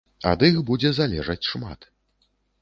Ад іх будзе залежаць шмат.